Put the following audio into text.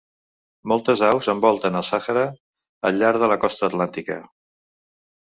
Moltes aus envolten el Sàhara al llarg de la costa atlàntica.